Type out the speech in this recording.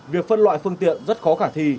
việc phân loại phương tiện rất khó khả thi